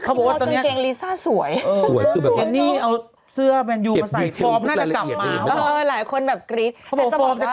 เขาบอกว่าตอนนี้